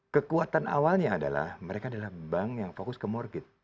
kekuatan awalnya adalah mereka adalah bank yang fokus ke morghid